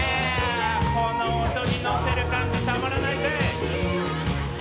この音に乗せる感じたまらないぜ！